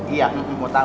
iya mau tau